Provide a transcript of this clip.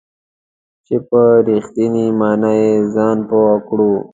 چې په رښتینې معنا یې ځان پوه کړو .